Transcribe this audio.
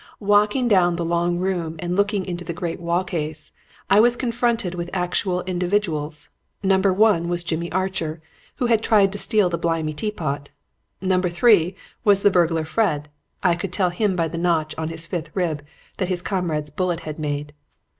Walking down the long room and looking into the great wall case, I was confronted with actual individuals. Number One was Jimmy Archer, who had tried to steal the "blimy teapot." Number Three was the burglar Fred; I could tell him by the notch on his fifth rib that his comrade's bullet had made.